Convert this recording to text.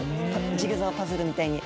ジグソーパズルみたいに。